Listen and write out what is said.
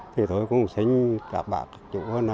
thì tôi cũng sinh các bạn